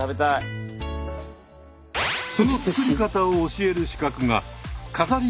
その作り方を教える資格が飾り